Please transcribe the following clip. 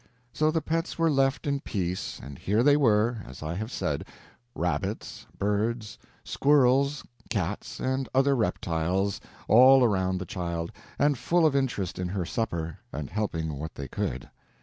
So the pets were left in peace, and here they were, as I have said, rabbits, birds, squirrels, cats, and other reptiles, all around the child, and full of interest in her supper, and helping what they could.